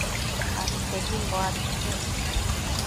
Abitedimbo abi iquec